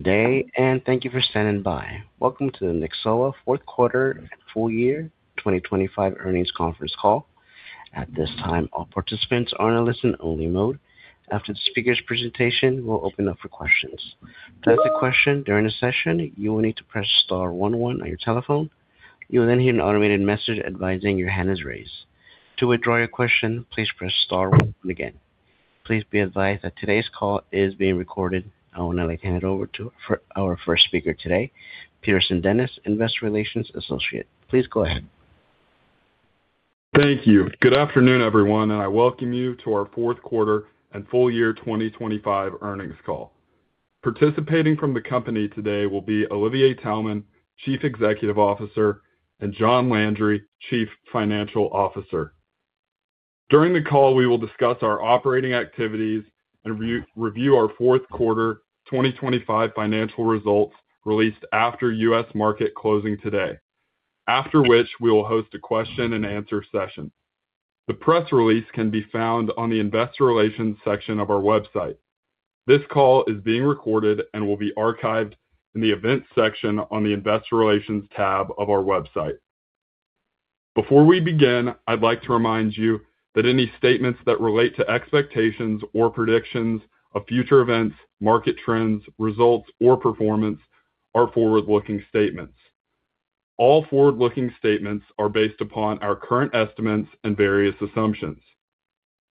Good day, and thank you for standing by. Welcome to the Nyxoah fourth quarter and full year 2025 earnings conference call. At this time, all participants are in a listen-only mode. After the speaker's presentation, we'll open up for questions. To ask a question during the session, you will need to press star one one on your telephone. You will then hear an automated message advising your hand is raised. To withdraw your question, please press star one one again. Please be advised that today's call is being recorded. I would now like to hand it over to our first speaker today, Pearson Dennis, Investor Relations Associate. Please go ahead. Thank you. Good afternoon, everyone. I welcome you to our fourth quarter and full year 2025 earnings call. Participating from the company today will be Olivier Taelman, Chief Executive Officer, and John Landry, Chief Financial Officer. During the call, we will discuss our operating activities and review our fourth quarter 2025 financial results released after U.S. market closing today. After which, we will host a question-and-answer session. The press release can be found on the investor relations section of our website. This call is being recorded and will be archived in the events section on the Investor Relations tab of our website. Before we begin, I'd like to remind you that any statements that relate to expectations or predictions of future events, market trends, results, or performance are forward-looking statements. All forward-looking statements are based upon our current estimates and various assumptions.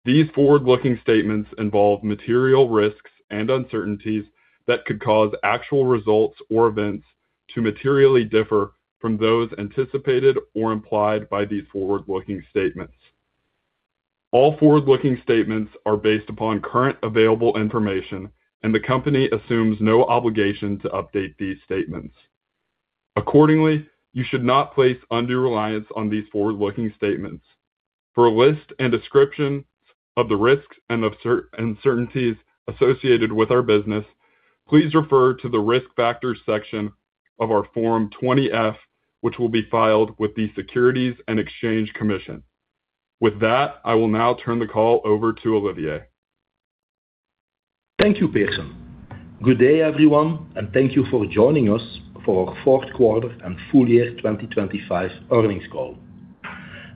These forward-looking statements involve material risks and uncertainties that could cause actual results or events to materially differ from those anticipated or implied by these forward-looking statements. All forward-looking statements are based upon current available information, and the company assumes no obligation to update these statements. Accordingly, you should not place undue reliance on these forward-looking statements. For a list and description of the risks and uncertainties associated with our business, please refer to the Risk Factors section of our Form 20-F, which will be filed with the Securities and Exchange Commission. With that, I will now turn the call over to Olivier. Thank you, Pearson. Good day, everyone, and thank you for joining us for our fourth quarter and full year 2025 earnings call.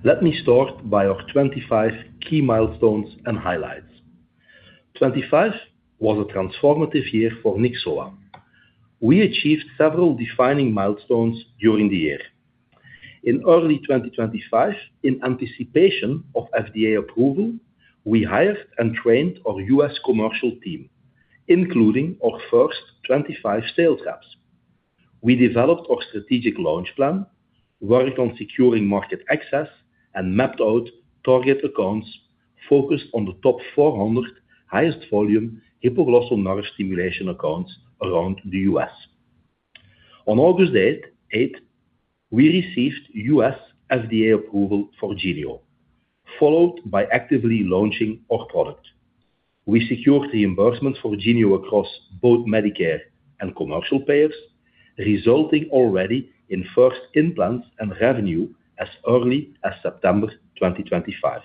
Let me start by our 2025 key milestones and highlights. 2025 was a transformative year for Nyxoah. We achieved several defining milestones during the year. In early 2025, in anticipation of FDA approval, we hired and trained our U.S. commercial team, including our first 25 sales reps. We developed our strategic launch plan, worked on securing market access, and mapped out target accounts focused on the top 400 highest volume hypoglossal nerve stimulation accounts around the U.S. On August 8th we received U.S. FDA approval for Genio, followed by actively launching our product. We secured reimbursement for Genio across both Medicare and commercial payers, resulting already in first implants and revenue as early as September 2025.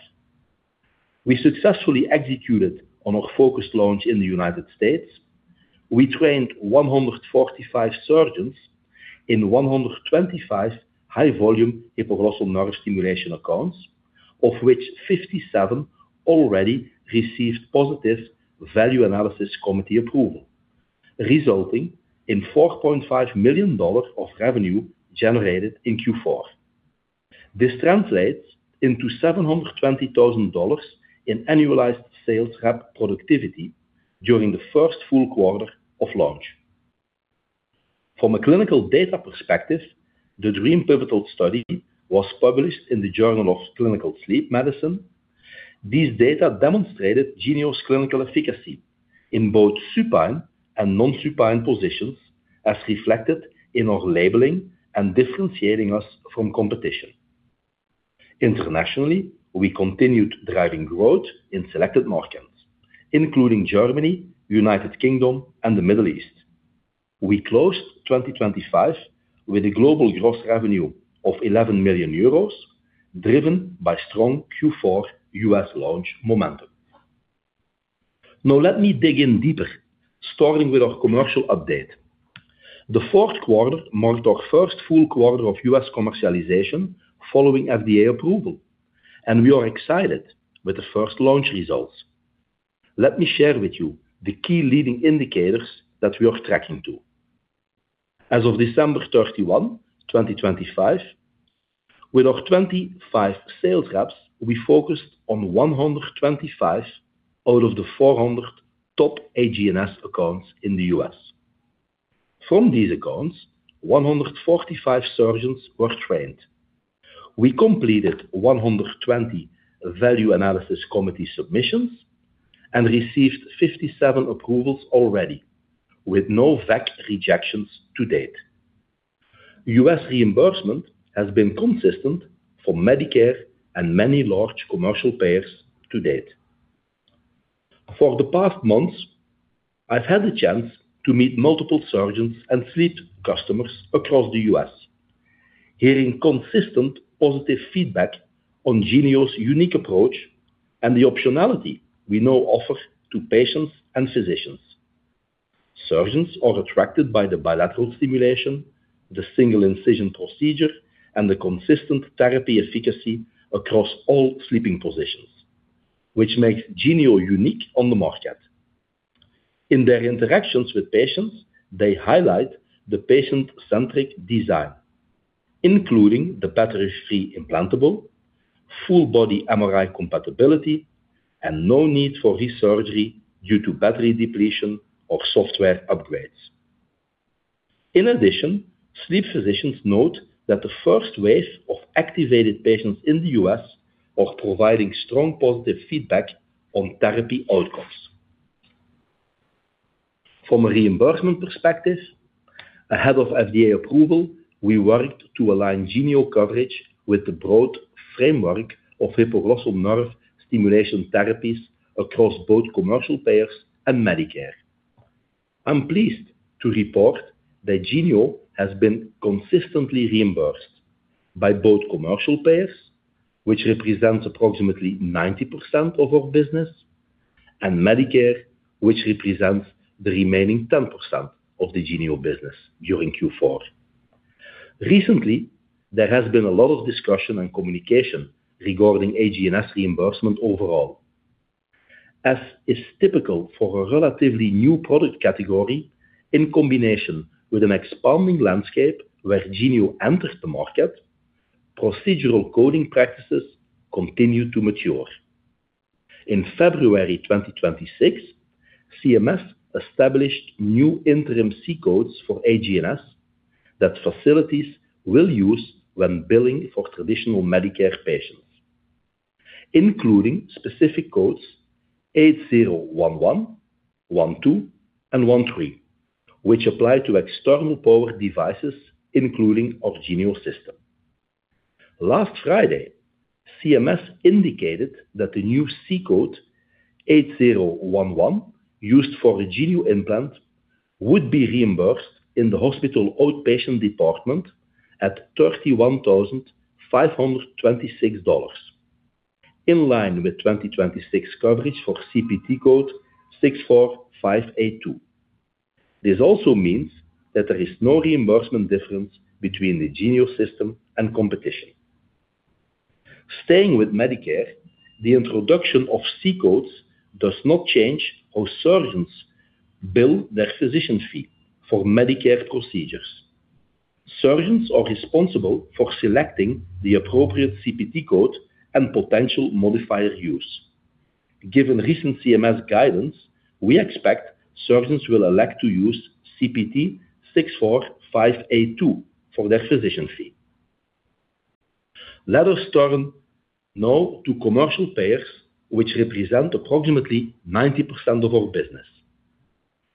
We successfully executed on our focused launch in the United States. We trained 145 surgeons in 125 high-volume hypoglossal nerve stimulation accounts, of which 57 already received positive Value Analysis Committee approval, resulting in $4.5 million of revenue generated in Q4. This translates into $720,000 in annualized sales rep productivity during the first full quarter of launch. From a clinical data perspective, the DREAM pivotal study was published in the Journal of Clinical Sleep Medicine. These data demonstrated Genio's clinical efficacy in both supine and non-supine positions, as reflected in our labeling and differentiating us from competition. Internationally, we continued driving growth in selected markets, including Germany, United Kingdom and the Middle East. We closed 2025 with a global gross revenue of 11 million euros, driven by strong Q4 U.S. launch momentum. Now let me dig in deeper, starting with our commercial update. The fourth quarter marked our first full quarter of U.S. commercialization following FDA approval, and we are excited with the first launch results. Let me share with you the key leading indicators that we are tracking, too. As of December 31, 2025, with our 25 sales reps, we focused on 125 out of the 400 top HGNS accounts in the U.S. From these accounts, 145 surgeons were trained. We completed 120 Value Analysis Committee submissions and received 57 approvals already, with no VAC rejections to date. U.S. reimbursement has been consistent for Medicare and many large commercial payers to date. For the past months, I've had the chance to meet multiple surgeons and fleet customers across the U.S., hearing consistent positive feedback on Genio's unique approach and the optionality we now offer to patients and physicians. Surgeons are attracted by the bilateral stimulation, the single incision procedure, and the consistent therapy efficacy across all sleeping positions, which makes Genio unique on the market. In their interactions with patients, they highlight the patient-centric design, including the battery-free implantable, full body MRI compatibility, and no need for re-surgery due to battery depletion or software upgrades. In addition, sleep physicians note that the first wave of activated patients in the U.S. are providing strong positive feedback on therapy outcomes. From a reimbursement perspective, ahead of FDA approval, we worked to align Genio coverage with the broad framework of hypoglossal nerve stimulation therapies across both commercial payers and Medicare. I'm pleased to report that Genio has been consistently reimbursed by both commercial payers, which represents approximately 90% of our business, and Medicare, which represents the remaining 10% of the Genio business during Q4. Recently, there has been a lot of discussion and communication regarding HGNS reimbursement overall. As is typical for a relatively new product category, in combination with an expanding landscape where Genio enters the market, procedural coding practices continue to mature. In February 2026, CMS established new interim C-codes for HGNS that facilities will use when billing for traditional Medicare patients, including specific codes C8011, C8012, and C8013, which apply to external power devices, including our Genio system. Last Friday, CMS indicated that the new C-code 8011 used for a Genio implant would be reimbursed in the hospital outpatient department at $31,526, in line with 2026 coverage for CPT code 64582. This also means that there is no reimbursement difference between the Genio system and competition. Staying with Medicare, the introduction of C-codes does not change how surgeons bill their physician fee for Medicare procedures. Surgeons are responsible for selecting the appropriate CPT code and potential modifier use. Given recent CMS guidance, we expect surgeons will elect to use CPT 64582 for their physician fee. Let us turn now to commercial payers, which represent approximately 90% of our business.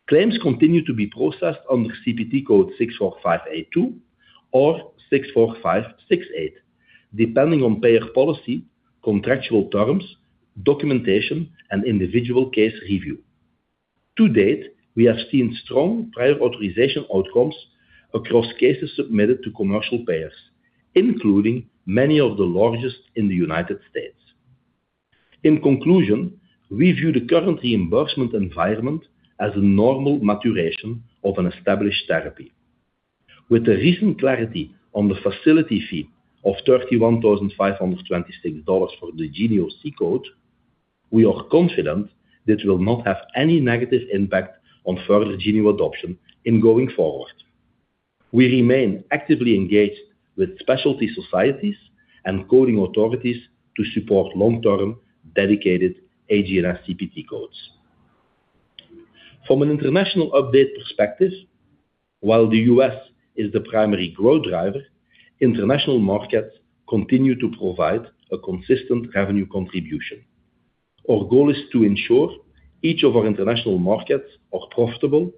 Claims continue to be processed under CPT code 64582 or 64568, depending on payer policy, contractual terms, documentation, and individual case review. To date, we have seen strong prior authorization outcomes across cases submitted to commercial payers, including many of the largest in the United States. In conclusion, we view the current reimbursement environment as a normal maturation of an established therapy. With the recent clarity on the facility fee of $31,526 for the Genio C-code, we are confident this will not have any negative impact on further Genio adoption and going forward. We remain actively engaged with specialty societies and coding authorities to support long-term dedicated HGNS CPT codes. From an international update perspective, while the U.S. is the primary growth driver, international markets continue to provide a consistent revenue contribution. Our goal is to ensure each of our international markets are profitable,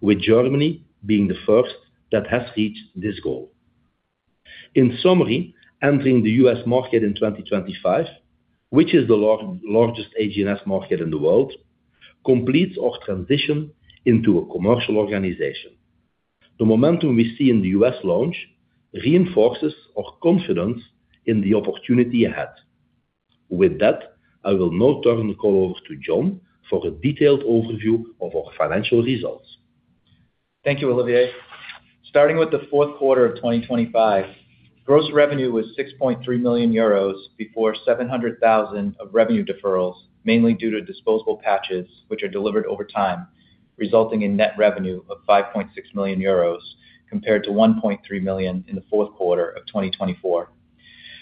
with Germany being the first that has reached this goal. In summary, entering the U.S. market in 2025, which is the largest HGNS market in the world, completes our transition into a commercial organization. The momentum we see in the U.S. launch reinforces our confidence in the opportunity ahead. With that, I will now turn the call over to John for a detailed overview of our financial results. Thank you, Olivier. Starting with the fourth quarter of 2025, gross revenue was 6.3 million euros before 700,000 of revenue deferrals, mainly due to disposable patches, which are delivered over time, resulting in net revenue of 5.6 million euros compared to 1.3 million in the fourth quarter of 2024.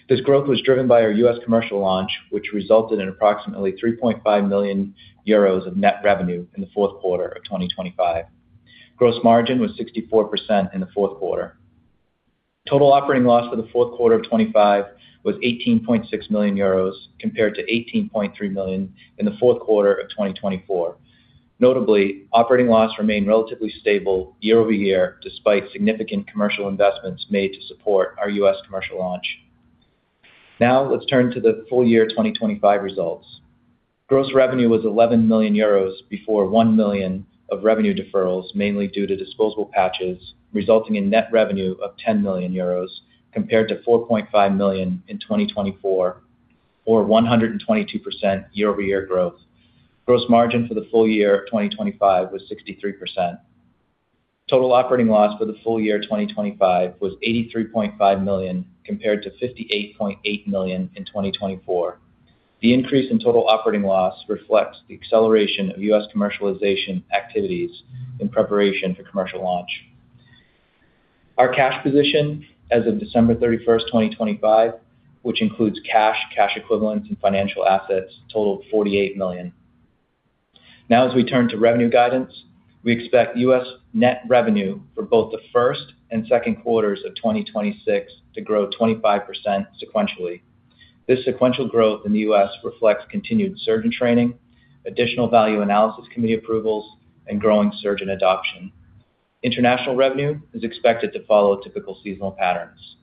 This growth was driven by our U.S. commercial launch, which resulted in approximately 3.5 million euros of net revenue in the fourth quarter of 2025. Gross margin was 64% in the fourth quarter. Total operating loss for the fourth quarter of 2025 was 18.6 million euros compared to 18.3 million in the fourth quarter of 2024. Notably, operating loss remained relatively stable year-over-year despite significant commercial investments made to support our U.S. commercial launch. Now let's turn to the full year 2025 results. Gross revenue was 11 million euros before 1 million of revenue deferrals, mainly due to disposable patches, resulting in net revenue of 10 million euros, compared to 4.5 million in 2024 or 122% year-over-year growth. Gross margin for the full year of 2025 was 63%. Total operating loss for the full year of 2025 was 83.5 million, compared to 58.8 million in 2024. The increase in total operating loss reflects the acceleration of U.S. commercialization activities in preparation for commercial launch. Our cash position as of December 31, 2025, which includes cash equivalents, and financial assets, totaled 48 million. Now, as we turn to revenue guidance, we expect U.S. net revenue for both the first and second quarters of 2026 to grow 25% sequentially. This sequential growth in the U.S. reflects continued surgeon training, additional Value Analysis Committee approvals, and growing surgeon adoption. International revenue is expected to follow typical seasonal patterns.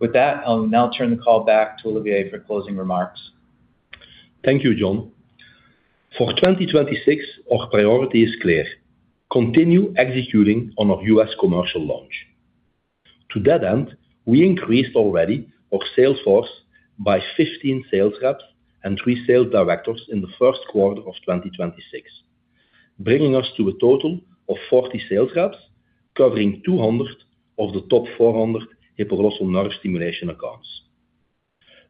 With that, I'll now turn the call back to Olivier for closing remarks. Thank you, John. For 2026, our priority is clear. Continue executing on our U.S. commercial launch. To that end, we increased already our sales force by 15 sales reps and three sales directors in the first quarter of 2026, bringing us to a total of 40 sales reps covering 200 of the top 400 hypoglossal nerve stimulation accounts.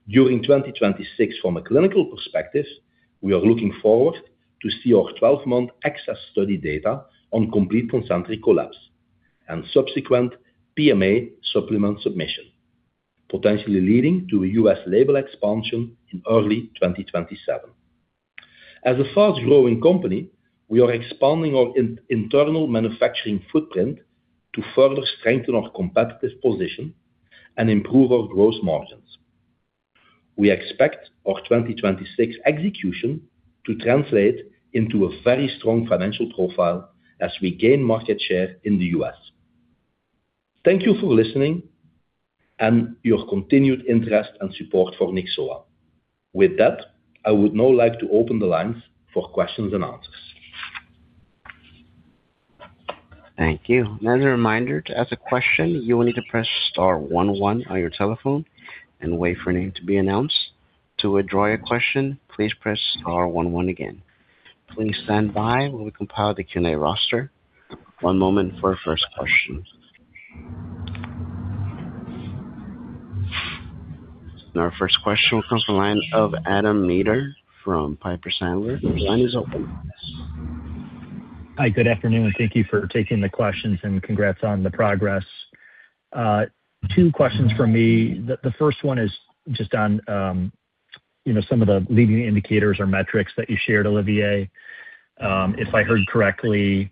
During 2026, from a clinical perspective, we are looking forward to see our 12-month ACCESS study data on complete concentric collapse and subsequent PMA supplement submission, potentially leading to a U.S. label expansion in early 2027. As a fast-growing company, we are expanding our internal manufacturing footprint to further strengthen our competitive position and improve our gross margins. We expect our 2026 execution to translate into a very strong financial profile as we gain market share in the U.S. Thank you for listening and your continued interest and support for Nyxoah. With that, I would now like to open the lines for questions and answers. Thank you. As a reminder, to ask a question, you will need to press star one one on your telephone and wait for your name to be announced. To withdraw your question, please press star one one again. Please stand by while we compile the Q&A roster. One moment for our first question. Our first question will come from the line of Adam Maeder from Piper Sandler. Your line is open. Hi, good afternoon, and thank you for taking the questions and congrats on the progress. Two questions from me. The first one is just on, you know, some of the leading indicators or metrics that you shared, Olivier. If I heard correctly,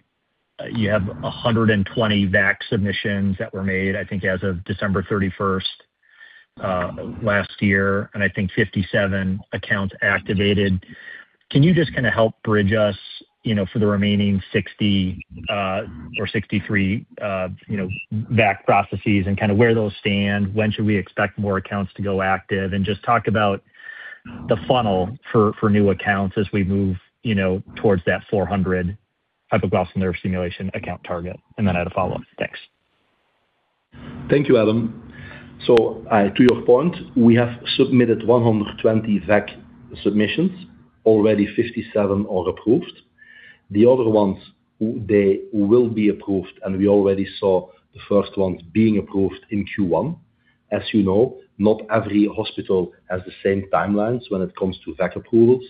you have 120 VAC submissions that were made, I think, as of December 31st last year, and I think 57 accounts activated. Can you just kinda help bridge us, you know, for the remaining 60 or 63, you know, VAC processes and kinda where those stand? When should we expect more accounts to go active? Just talk about the funnel for new accounts as we move, you know, towards that 400 hypoglossal nerve stimulation account target? Then I had a follow-up. Thanks. Thank you, Adam. To your point, we have submitted 120 VAC submissions. Already 57 are approved. The other ones, they will be approved, and we already saw the first ones being approved in Q1. As you know, not every hospital has the same timelines when it comes to VAC approvals,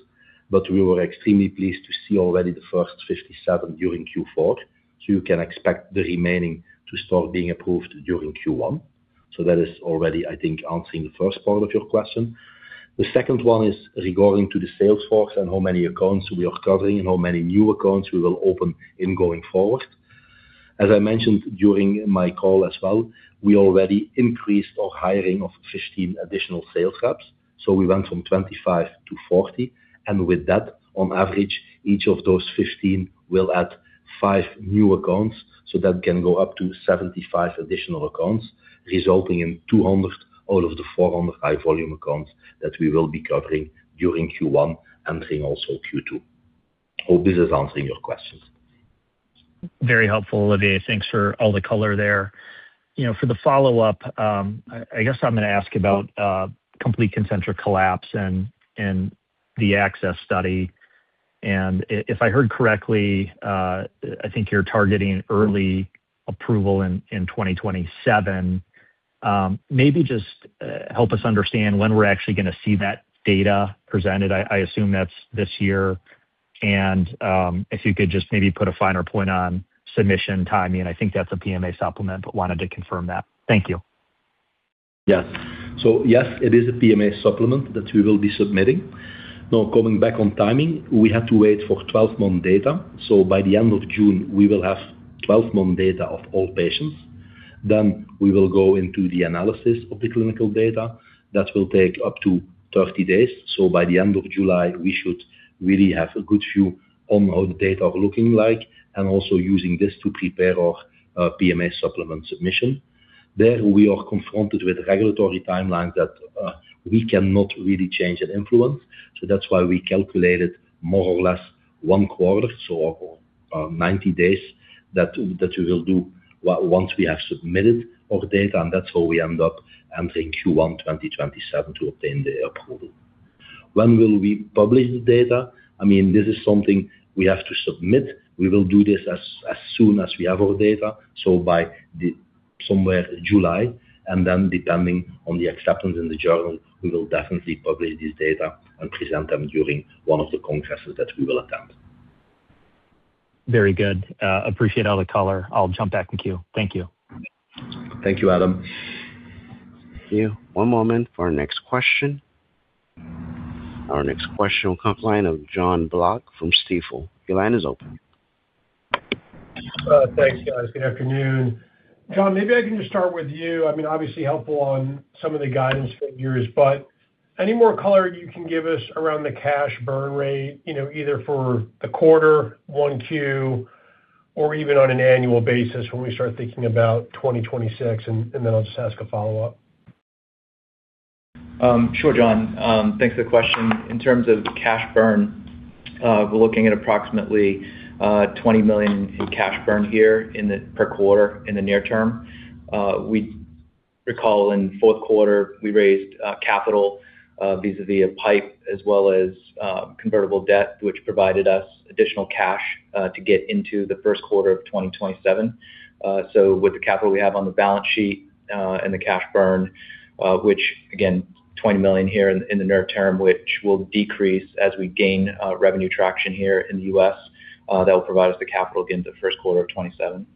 but we were extremely pleased to see already the first 57 during Q4. You can expect the remaining to start being approved during Q1. That is already, I think, answering the first part of your question. The second one is regarding to the sales force and how many accounts we are covering and how many new accounts we will open in going forward. As I mentioned during my call as well, we already increased our hiring of 15 additional sales reps. We went from 25-40. With that, on average, each of those 15 will add five new accounts, so that can go up to 75 additional accounts, resulting in 200 out of the 400 high-volume accounts that we will be covering during Q1 and then also Q2. Hope this is answering your questions. Very helpful, Olivier. Thanks for all the color there. You know, for the follow-up, I guess I'm gonna ask about complete concentric collapse and the ACCESS study. If I heard correctly, I think you're targeting early approval in 2027. Maybe just help us understand when we're actually gonna see that data presented. I assume that's this year. If you could just maybe put a finer point on submission timing, and I think that's a PMA supplement, but wanted to confirm that? Thank you. Yes. Yes, it is a PMA supplement that we will be submitting. Now, coming back on timing, we have to wait for 12-month data, so by the end of June, we will have 12-month data of all patients. We will go into the analysis of the clinical data. That will take up to 30 days. By the end of July, we should really have a good view on how the data are looking like and also using this to prepare our PMA supplement submission. We are confronted with regulatory timelines that we cannot really change and influence. That's why we calculated more or less one quarter, so 90 days that we will do once we have submitted our data, and that's how we end up entering Q1 2027 to obtain the approval. When will we publish the data? I mean, this is something we have to submit. We will do this as soon as we have our data, so somewhere July. Depending on the acceptance in the journal, we will definitely publish this data and present them during one of the conferences that we will attend. Very good. Appreciate all the color. I'll jump back in queue. Thank you. Thank you, Adam. Thank you. One moment for our next question. Our next question will come from the line of Jon Block from Stifel. Your line is open. Thanks, guys. Good afternoon. John, maybe I can just start with you. I mean, obviously helpful on some of the guidance figures, but any more color you can give us around the cash burn rate, you know, either for the quarter, Q1, or even on an annual basis when we start thinking about 2026, and then I'll just ask a follow-up. Sure, John. Thanks for the question. In terms of the cash burn, we're looking at approximately 20 million in cash burn here per quarter in the near term. We raised capital in fourth quarter vis-à-vis a PIPE as well as convertible debt, which provided us additional cash to get into the first quarter of 2027. With the capital we have on the balance sheet and the cash burn, which again, 20 million here in the near term, which will decrease as we gain revenue traction here in the U.S., that will provide us the capital through the first quarter of 2027.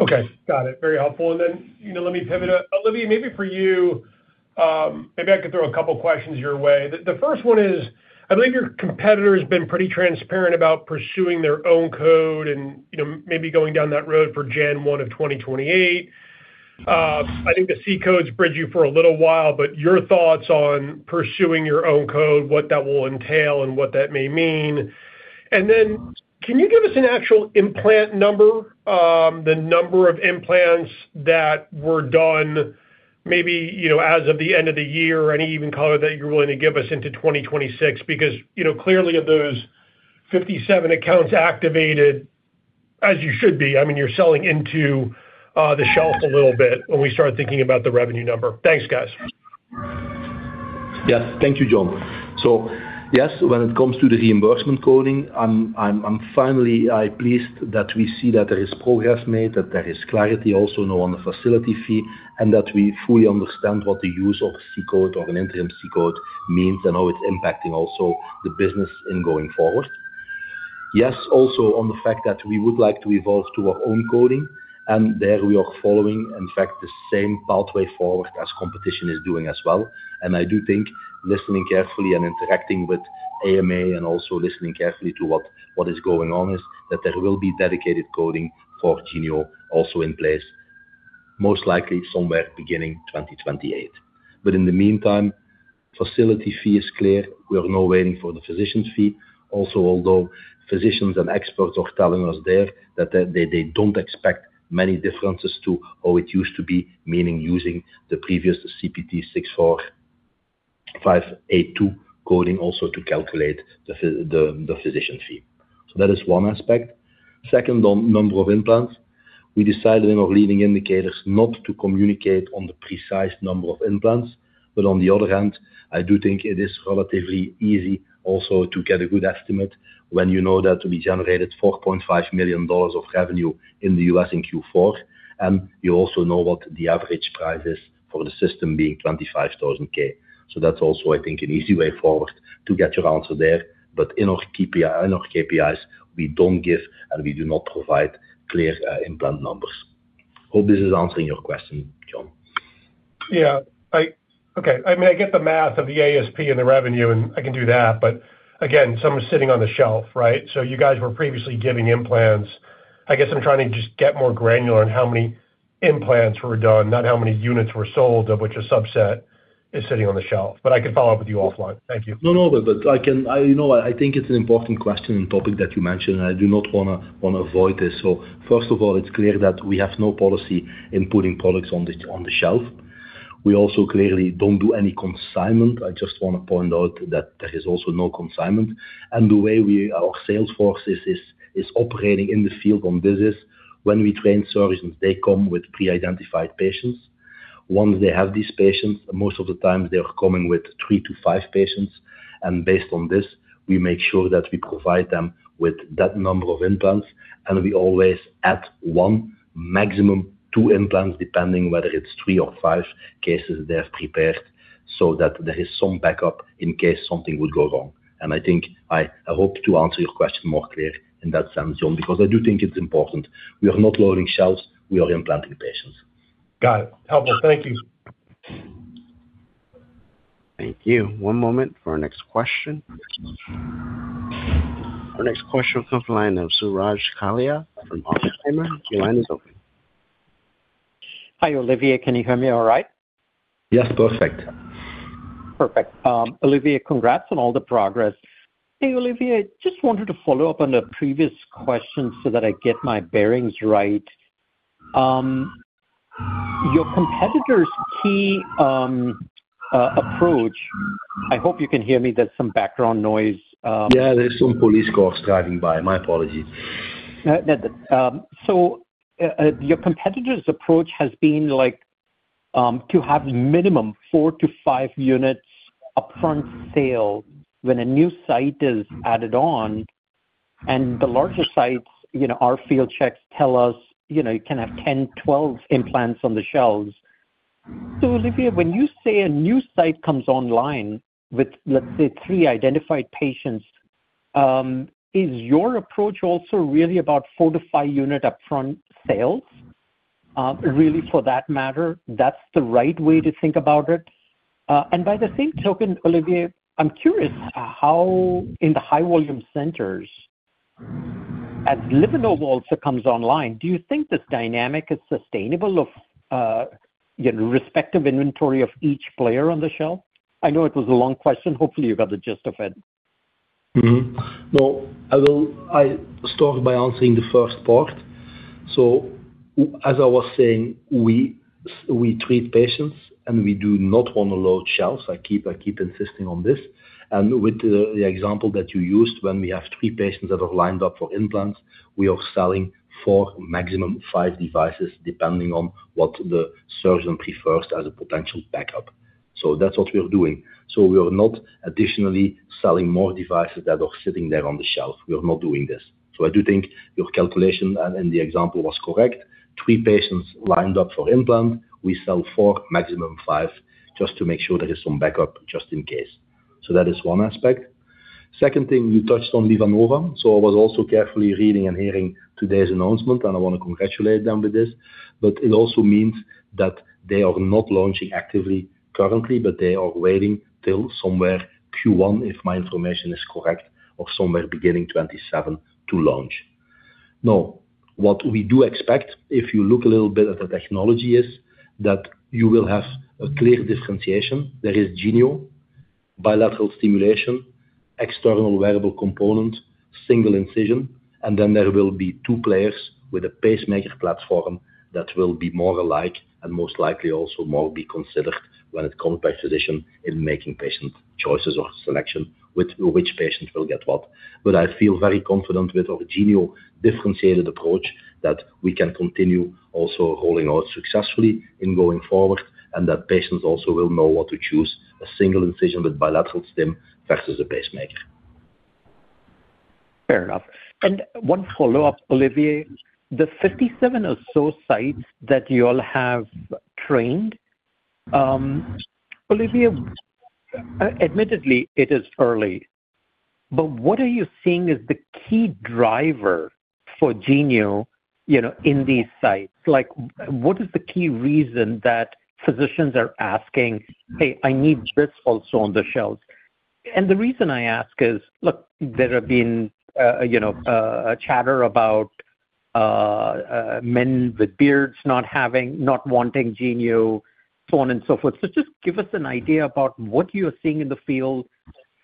Okay. Got it. Very helpful. You know, let me pivot. Olivier, maybe for you, maybe I could throw a couple questions your way. The first one is, I believe your competitor has been pretty transparent about pursuing their own code and, you know, maybe going down that road for January 1, 2028. I think the C-codes bridge you for a little while, but your thoughts on pursuing your own code, what that will entail and what that may mean. Can you give us an actual implant number, the number of implants that were done, maybe, you know, as of the end of the year or any even color that you're willing to give us into 2026? Because, you know, clearly of those 57 accounts activated, as you should be, I mean, you're selling into the shelf a little bit when we start thinking about the revenue number. Thanks, guys. Yes. Thank you, Jon. Yes, when it comes to the reimbursement coding, I'm finally pleased that we see that there is progress made, that there is clarity also now on the facility fee, and that we fully understand what the use of a C-code or an interim C-code means and how it's impacting also the business in going forward. Yes, also on the fact that we would like to evolve to our own coding, and there we are following, in fact, the same pathway forward as competition is doing as well. I do think listening carefully and interacting with AMA and also listening carefully to what is going on is that there will be dedicated coding for Genio also in place, most likely somewhere beginning 2028. In the meantime, facility fee is clear. We are now waiting for the physician's fee. Also, although physicians and experts are telling us there that they don't expect many differences to how it used to be, meaning using the previous CPT 64582 coding also to calculate the physician fee. That is one aspect. Second, on number of implants. We decided in our leading indicators not to communicate on the precise number of implants. On the other hand, I do think it is relatively easy also to get a good estimate when you know that we generated $4.5 million of revenue in the US in Q4, and you also know what the average price is for the system being $25,000. That's also, I think, an easy way forward to get your answer there. In our KPIs, we don't give and we do not provide clear implant numbers. Hope this is answering your question, Jon. Yeah. Okay. I mean, I get the math of the ASP and the revenue, and I can do that. But again, some are sitting on the shelf, right? So you guys were previously giving implants. I guess I'm trying to just get more granular on how many implants were done, not how many units were sold, of which a subset is sitting on the shelf. But I can follow up with you offline. Thank you. No. You know what, I think it's an important question and topic that you mentioned, and I do not wanna avoid this. First of all, it's clear that we have no policy in putting products on the shelf. We also clearly don't do any consignment. I just wanna point out that there is also no consignment. The way our sales force is operating in the field on visits, when we train surgeons, they come with pre-identified patients. Once they have these patients, most of the time, they are coming with three-five patients. Based on this, we make sure that we provide them with that number of implants, and we always add one, maximum two implants, depending whether it's three or five cases they have prepared, so that there is some backup in case something would go wrong. I think I hope to answer your question more clear in that sense, Jon, because I do think it's important. We are not loading shelves, we are implanting patients. Got it. Helpful. Thank you. Thank you. One moment for our next question. Our next question will come from the line of Suraj Kalia from Oppenheimer. Your line is open. Hi, Olivier. Can you hear me all right? Yes. Perfect. Perfect. Olivier, congrats on all the progress. Hey, Olivier, just wanted to follow up on a previous question so that I get my bearings right. Your competitor's key approach. I hope you can hear me. There's some background noise. Yeah, there's some police cars driving by. My apologies. Your competitor's approach has been like, to have minimum four-five units upfront sale when a new site is added on, and the larger sites, you know, our field checks tell us, you know, you can have 10, 12 implants on the shelves. Olivier, when you say a new site comes online with, let's say, three identified patients, is your approach also really about four-five unit upfront sales? Really, for that matter, that's the right way to think about it. By the same token, Olivier, I'm curious how in the high volume centers, as LivaNova also comes online, do you think this dynamic is sustainable of, you know, respective inventory of each player on the shelf? I know it was a long question. Hopefully you got the gist of it. No, I start by answering the first part. As I was saying, we treat patients, and we do not wanna load shelves. I keep insisting on this. With the example that you used, when we have three patients that are lined up for implants, we are selling four, maximum five devices, depending on what the surgeon prefers as a potential backup. That's what we are doing. We are not additionally selling more devices that are sitting there on the shelf. We are not doing this. I do think your calculation and the example was correct. Three patients lined up for implant, we sell four, maximum five, just to make sure there is some backup just in case. That is one aspect. Second thing, you touched on LivaNova, so I was also carefully reading and hearing today's announcement, and I wanna congratulate them with this, but it also means that they are not launching actively currently, but they are waiting till somewhere Q1, if my information is correct, or somewhere beginning 2027 to launch. Now, what we do expect, if you look a little bit at the technology is, that you will have a clear differentiation. There is Genio, bilateral stimulation, external wearable component, single incision, and then there will be two players with a pacemaker platform that will be more alike and most likely also more be considered when it comes by physician in making patient choices or selection with which patient will get what. I feel very confident with our Genio differentiated approach that we can continue also rolling out successfully in going forward, and that patients also will know what to choose, a single incision with bilateral stimulation versus a pacemaker. Fair enough. One follow-up, Olivier. The 57 or so sites that you all have trained, Olivier, admittedly, it is early, but what are you seeing as the key driver for Genio, you know, in these sites? Like what is the key reason that physicians are asking, "Hey, I need this also on the shelves." The reason I ask is, look, there have been, you know, a chatter about men with beards not having, not wanting Genio, so on and so forth. Just give us an idea about what you're seeing in the field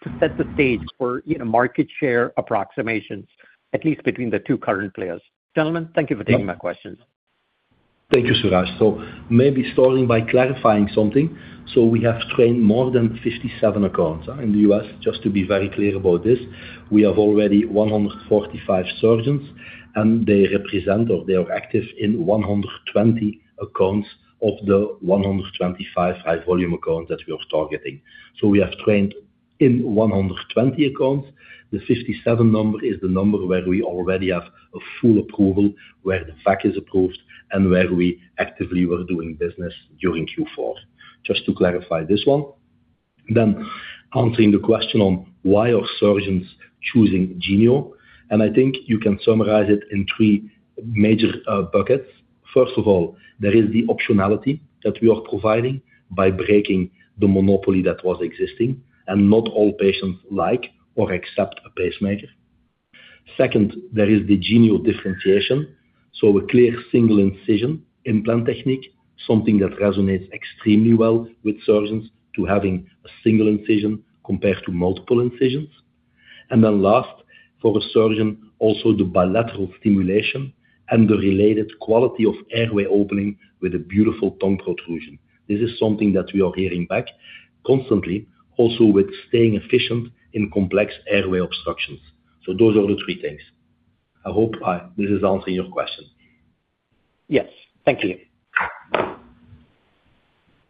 to set the stage for, you know, market share approximations, at least between the two current players? Gentlemen, thank you for taking my questions. Thank you, Suraj. Maybe starting by clarifying something. We have trained more than 57 accounts in the U.S., just to be very clear about this. We have already 145 surgeons, and they represent or they are active in 120 accounts of the 125 high volume accounts that we are targeting. We have trained in 120 accounts. The 57 number is the number where we already have a full approval, where the fact is approved and where we actively were doing business during Q4. Just to clarify this one. Answering the question on why are surgeons choosing Genio, and I think you can summarize it in three major buckets. First of all, there is the optionality that we are providing by breaking the monopoly that was existing, and not all patients like or accept a pacemaker. Second, there is the Genio differentiation. A clear single incision implant technique, something that resonates extremely well with surgeons to having a single incision compared to multiple incisions. Then last, for a surgeon, also the bilateral stimulation and the related quality of airway opening with a beautiful tongue protrusion. This is something that we are hearing back constantly, also with staying efficient in complex airway obstructions. Those are the three things. I hope this is answering your question. Yes. Thank you.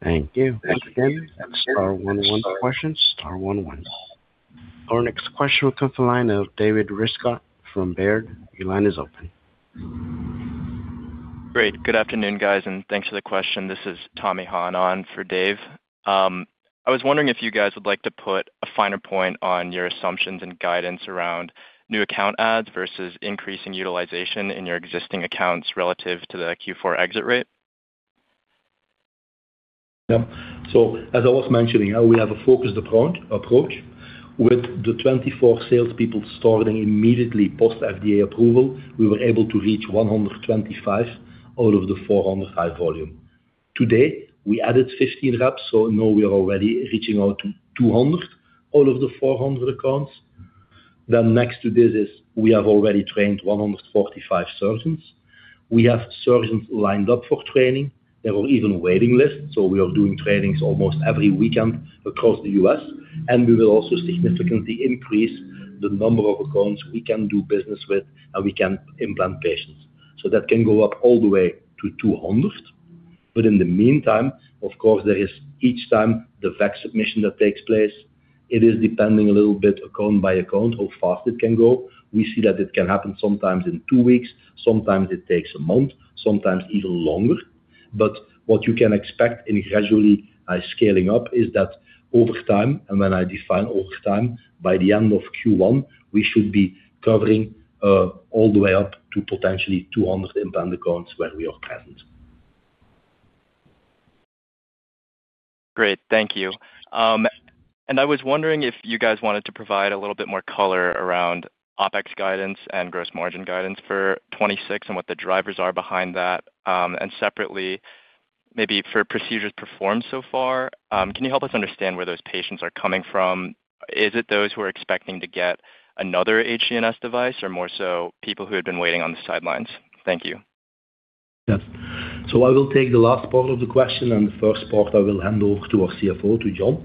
Thank you. Once again, star one one for questions. Star one one. Our next question will come from the line of David Rescott from Baird. Your line is open. Great. Good afternoon, guys, and thanks for the question. This is Tommy Han on for Dave. I was wondering if you guys would like to put a finer point on your assumptions and guidance around new account adds versus increasing utilization in your existing accounts relative to the Q4 exit rate? Yeah. As I was mentioning how we have a focused approach with the 24 salespeople starting immediately post FDA approval, we were able to reach 125 out of the 400 high-volume. Today, we added 15 reps, so now we are already reaching out to 200 out of the 400 accounts. Next to this is we have already trained 145 surgeons. We have surgeons lined up for training. There are even waiting lists, so we are doing trainings almost every weekend across the U.S., and we will also significantly increase the number of accounts we can do business with and we can implant patients. That can go up all the way to 200. In the meantime, of course, there is each time the VAC submission that takes place, it is depending a little bit account by account, how fast it can go. We see that it can happen sometimes in two weeks, sometimes it takes a month, sometimes even longer. What you can expect in gradually scaling up is that over time, and when I define over time, by the end of Q1, we should be covering all the way up to potentially 200 implant accounts where we are present. Great. Thank you. I was wondering if you guys wanted to provide a little bit more color around OpEx guidance and gross margin guidance for 2026 and what the drivers are behind that. Separately, maybe for procedures performed so far, can you help us understand where those patients are coming from? Is it those who are expecting to get another HGNS device or more so people who had been waiting on the sidelines? Thank you. Yes. I will take the last part of the question and the first part I will hand over to our CFO, to John.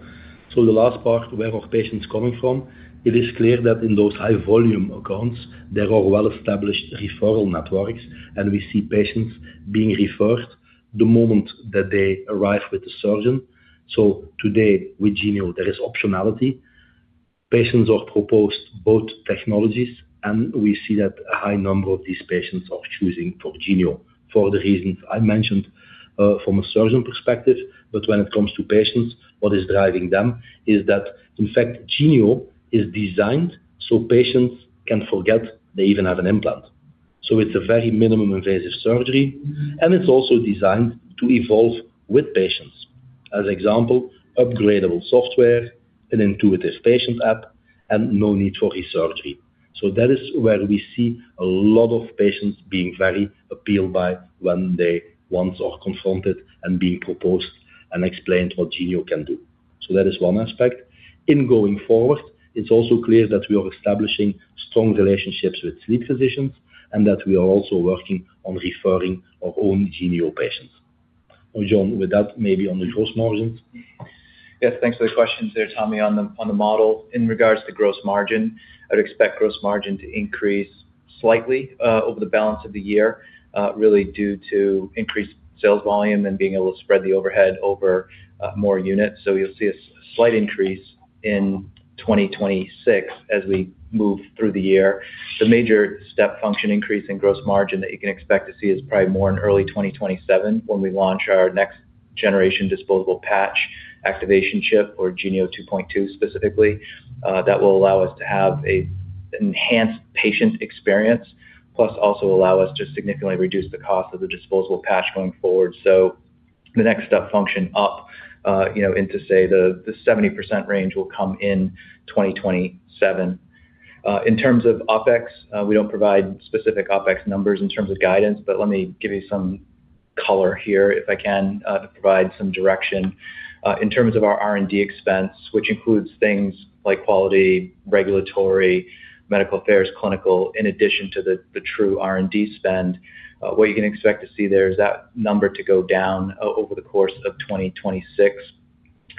The last part, where are patients coming from? It is clear that in those high volume accounts, there are well-established referral networks, and we see patients being referred the moment that they arrive with the surgeon. Today, with Genio, there is optionality. Patients are proposed both technologies, and we see that a high number of these patients are choosing for Genio for the reasons I mentioned, from a surgeon perspective. But when it comes to patients, what is driving them is that, in fact, Genio is designed so patients can forget they even have an implant. It's a very minimally invasive surgery, and it's also designed to evolve with patients. As example, upgradeable software, an intuitive patient app, and no need for resurgery. That is where we see a lot of patients being very appealed by when they once are confronted and being proposed and explained what Genio can do. That is one aspect. In going forward, it's also clear that we are establishing strong relationships with sleep physicians and that we are also working on referring our own Genio patients. John, with that, maybe on the gross margins. Yes, thanks for the questions there, Tommy. On the model, in regards to gross margin, I would expect gross margin to increase slightly over the balance of the year, really due to increased sales volume and being able to spread the overhead over more units. You'll see a slight increase in 2026 as we move through the year. The major step function increase in gross margin that you can expect to see is probably more in early 2027 when we launch our next generation disposable patch activation chip or Genio 2.2 specifically. That will allow us to have an enhanced patient experience, plus also allow us to significantly reduce the cost of the disposable patch going forward. The next step function up, you know, into, say, the 70% range will come in 2027. In terms of OpEx, we don't provide specific OpEx numbers in terms of guidance, but let me give you some color here, if I can, to provide some direction. In terms of our R&D expense, which includes things like quality, regulatory, medical affairs, clinical, in addition to the true R&D spend, what you can expect to see there is that number to go down over the course of 2026,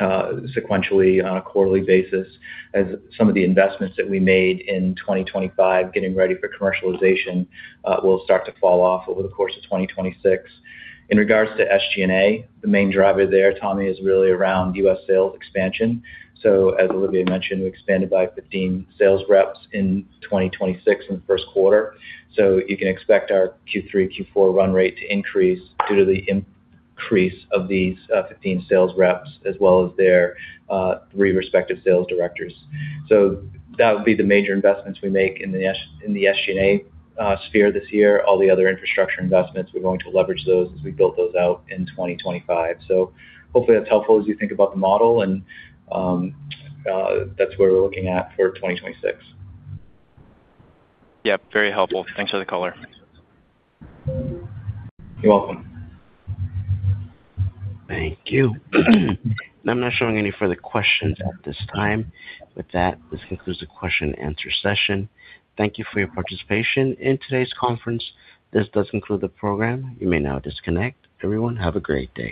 sequentially on a quarterly basis as some of the investments that we made in 2025 getting ready for commercialization, will start to fall off over the course of 2026. In regards to SG&A, the main driver there, Tommy, is really around U.S. sales expansion. As Olivier mentioned, we expanded by 15 sales reps in 2026 in the first quarter. You can expect our Q3, Q4 run rate to increase due to the increase of these 15 sales reps as well as their three respective sales directors. That would be the major investments we make in the SG&A sphere this year. All the other infrastructure investments, we're going to leverage those as we build those out in 2025. Hopefully that's helpful as you think about the model and that's where we're looking at for 2026. Yep, very helpful. Thanks for the color. You're welcome. Thank you. I'm not showing any further questions at this time. With that, this concludes the question and answer session. Thank you for your participation in today's conference. This does conclude the program. You may now disconnect. Everyone, have a great day.